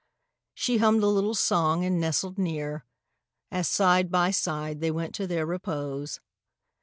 She hummed a little song and nestled near, As side by side they went to their repose.